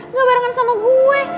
nggak barengan sama gue